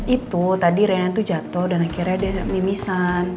itu tadi renan itu jatuh dan akhirnya dia mimisan